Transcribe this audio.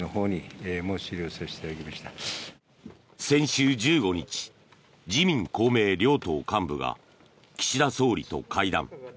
先週１５日自民・公明両党幹部が岸田総理と会談。